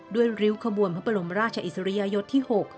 ด้วยริ้วกระบวนพระบคลมราชอิสริยะยศที่๖